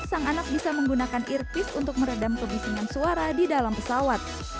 sang anak bisa menggunakan earpis untuk meredam kebisingan suara di dalam pesawat